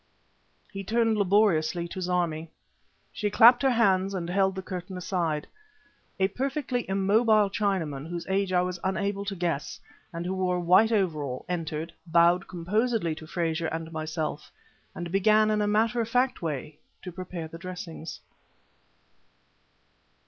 He turned laboriously to Zarmi. She clapped her hands and held the curtain aside. A perfectly immobile Chinaman, whose age I was unable to guess, and who wore a white overall, entered, bowed composedly to Frazer and myself and began in a matter of fact way to prepare the dressings.